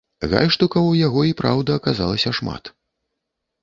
Гальштукаў ў яго і праўда аказалася шмат.